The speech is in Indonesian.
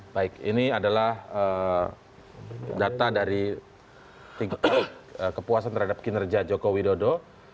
baik ini adalah data dari tingkat kepuasan terhadap kinerja joko widodo